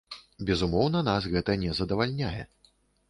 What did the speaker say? Безумоўна, нас гэта не задавальняе.